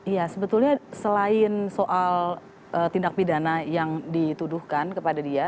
ya sebetulnya selain soal tindak pidana yang dituduhkan kepada dia